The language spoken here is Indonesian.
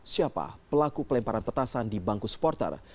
siapa pelaku pelemparan petasan di bangku supporter